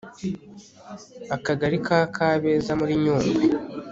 akagali ka kabeza muri nyungwe